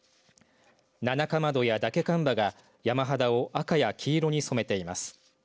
ナナカマドやダケカンバが山肌を赤や黄色に染めています。